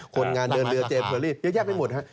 คนงานเดินเรือเจมเคอรี่เยอะแยะไปหมดฮะ